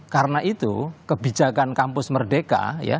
karena itu kebijakan kampus merdeka ya